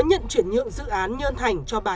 nhận chuyển nhượng dự án nhân thành cho bà